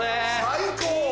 最高！